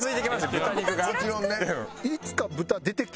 豚肉が。